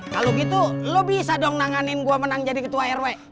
kalau gitu lo bisa dong nanganin gue menang jadi ketua rw